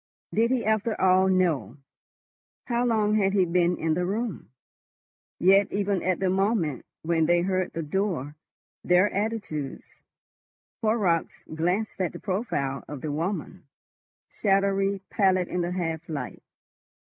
Did he after all know? How long had he been in the room? Yet even at the moment when they heard the door, their attitudes. ... Horrocks glanced at the profile of the woman, shadowy pallid in the half light.